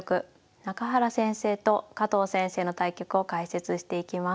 中原先生と加藤先生の対局を解説していきます。